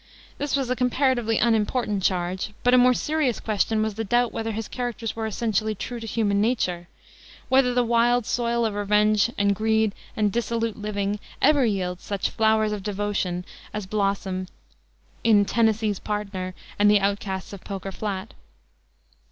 This was a comparatively unimportant charge; but a more serious question was the doubt whether his characters were essentially true to human nature, whether the wild soil of revenge and greed and dissolute living ever yields such flowers of devotion as blossom in Tennessee's Partner and the Outcasts of Poker Flat.